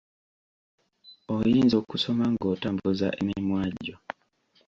Oyinza okusoma ng'otambuza emimwa gyo.